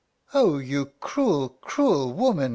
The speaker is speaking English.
"Oh, you cruel, cruel woman!"